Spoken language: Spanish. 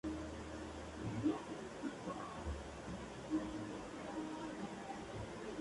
Está unido al puerto de Long Beach.